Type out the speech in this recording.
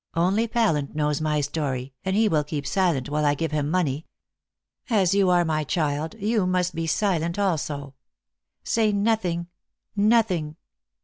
Only Pallant knows my story, and he will keep silent while I give him money. As you are my child, you must be silent also. Say nothing nothing."